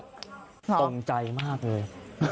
ตรงใจมากเลย